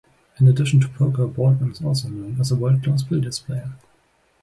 In addition to poker, Baldwin is also known as a world class billiards player.